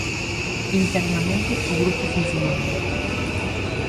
Internamente, o grupo funciona ben.